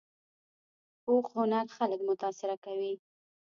پوخ هنر خلک متاثره کوي